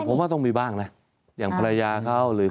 แต่ผมว่าต้องมีบ้างนะอย่างภรรยาเขาหรือครอบครัว